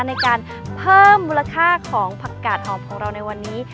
ในการเพิ่มมูลค่าของผักกาดหอมของเราในวันนี้